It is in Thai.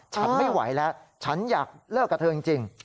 ฉันไม่ไหวแล้วฉันอยากเลิกกับเธอจริง